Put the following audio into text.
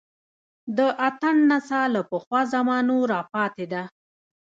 د اتڼ نڅا له پخوا زمانو راپاتې ده